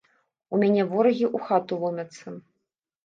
У мяне ворагі ў хату ломяцца.